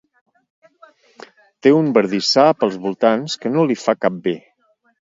Té un bardissar pels voltants que no li fa cap bé.